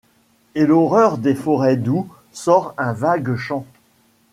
Et l'horreur des forêts d'où. sort un vague chant